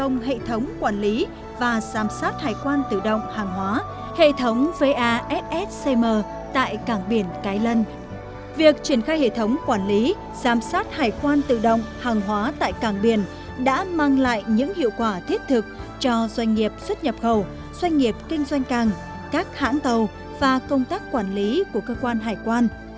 giám sát hải quan tự động hàng hóa tại càng biển đã mang lại những hiệu quả thiết thực cho doanh nghiệp xuất nhập khẩu doanh nghiệp kinh doanh càng các hãng tàu và công tác quản lý của cơ quan hải quan